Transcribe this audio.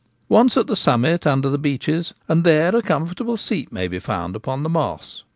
Once at the summit under the beeches, and there a comfortable seat may be found upon the moss.